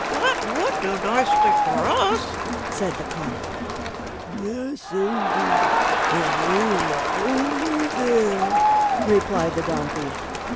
"That would do nicely for us," said the cock. "Yes, indeed, if we were only there," replied the donkey.